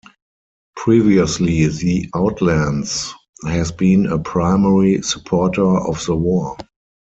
Previously the Outlands has been a primary supporter of the war.